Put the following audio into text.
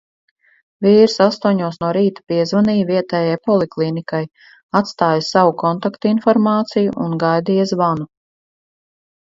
Vīrs astoņos no rīta piezvanīja vietējai poliklīnikai, atstāja savu kontaktinformāciju un gaidīja zvanu.